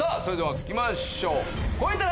それでは行きましょう。